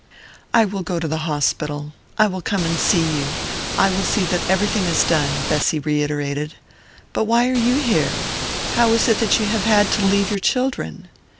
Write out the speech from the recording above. "I will go to the hospital I will come and see you I will see that everything is done," Bessy reiterated. "But why are you here? How is it that you have had to leave your children?"